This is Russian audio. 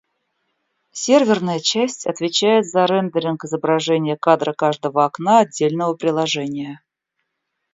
Серверная часть отвечает за рендеринг изображения кадра каждого окна отдельного приложения